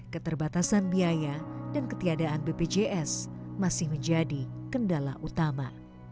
keterbatasan biaya dan ketiadaan bpjs masih menjadi kendala utama